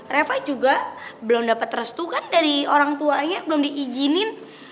reva juga belum dapat restu kan dari orang tuanya belum diizinin